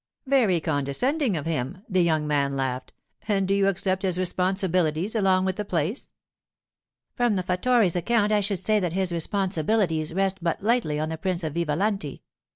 'Very condescending of him,' the young man laughed; 'and do you accept his responsibilities along with the place?' 'From the fattore's account I should say that his responsibilities rest but lightly on the Prince of Vivalanti.